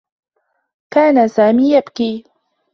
كان سامي يبكي.